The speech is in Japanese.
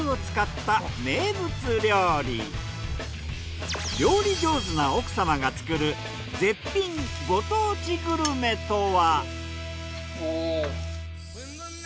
更に料理上手な奥様が作る絶品ご当地グルメとは。